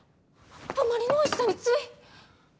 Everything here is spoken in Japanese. あまりのおいしさについ。